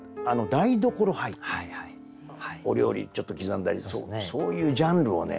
お料理ちょっと刻んだりするそういうジャンルをね